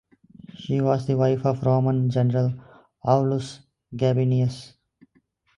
She was the wife of Roman general Aulus Gabinius.